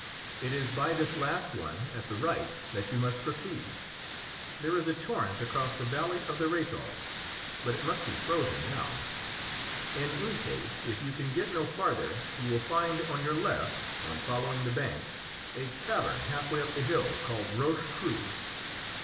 It is by this last one at the right that you must proceed. There is a torrent across the valley of the Rhéthal, but it must be frozen now. In any case, if you can get no farther, you will find on your left, on following the bank, a cavern half way up the hill, called Roche Creuse.